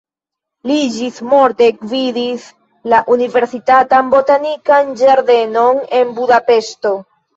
Li ĝismorte gvidis la universitatan botanikan ĝardenon en Budapeŝto.